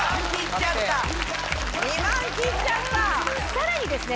さらにですね